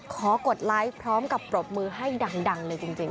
กดไลค์พร้อมกับปรบมือให้ดังเลยจริง